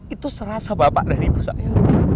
itu serasa bapak dan ibu saya